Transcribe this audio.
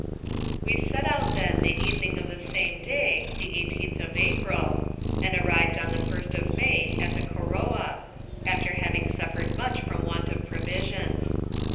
We set out then the evening of the same day, the eighth teenth of April, and arrived on the first of May, at the Koroa, after having sujffered much from want of provisions.